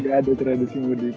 nggak ada tradisi mudik